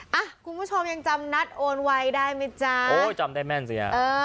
อ่ะคุณผู้ชมยังจำนัดโอนไวได้ไหมจ๊ะโอ้ยจำได้แม่นสิฮะเออ